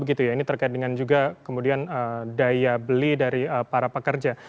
ini terkait dengan juga kemudian daya beli dari para pekerja